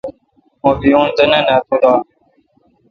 مہ بیون تہ نہ نا تو دا